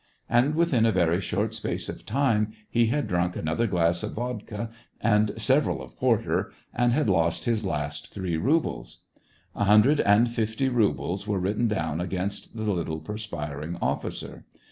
And within a very short space of time he had drunk another glass of vodka and several of por ter, and had lost his last three rubles. A hundred and fifty rubles were written down against the little, perspiring officer.